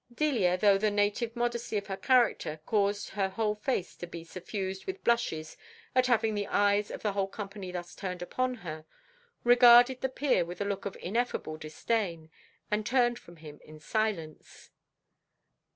Delia, though the native modesty of her character caused her whole face to be suffused with blushes at having the eyes of the whole company thus turned upon her, regarded the peer with a look of ineffable disdain, and turned from him in silence.